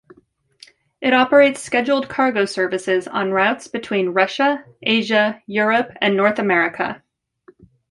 It operates scheduled cargo services on routes between Russia, Asia, Europe and North America.